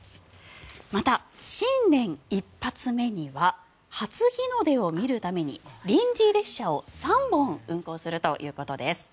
また新年１発目には初日の出を見るために臨時列車を３本運行するということです。